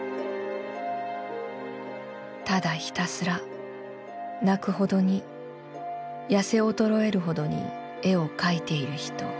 「ただひたすら泣くほどにやせおとろえるほどに絵を描いている人。